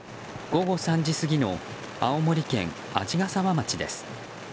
午後３時過ぎの青森県鰺ヶ沢町です。